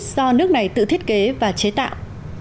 do nước này tự thiết kế và chế tạo